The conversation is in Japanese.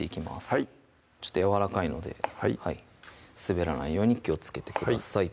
はいやわらかいので滑らないように気をつけてください